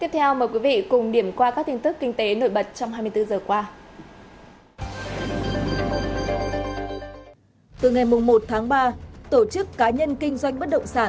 từ ngày một tháng ba tổ chức cá nhân kinh doanh bất động sản